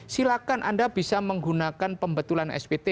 silahkan anda bisa menggunakan pembetulan spt